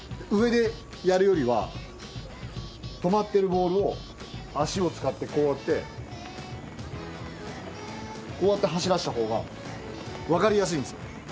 上でやるよりは止まってるボールを脚を使ってこうやってこうやって走らせた方が分かりやすいんですよ。